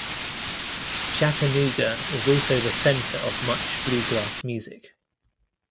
Chattanooga is also the center of much bluegrass music.